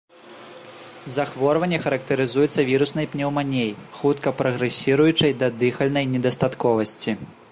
Захворванне характарызуецца віруснай пнеўманіяй, хутка прагрэсіруючай да дыхальнай недастатковасці.